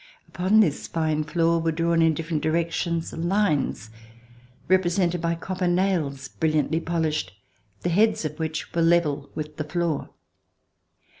Upon this fine floor were drawn in different directions lines represented by copper nails, brilliantly polished, the heads of which were level with the floor.